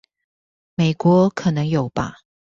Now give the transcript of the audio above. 美國可能有吧